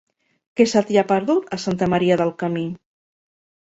Què se t'hi ha perdut, a Santa Maria del Camí?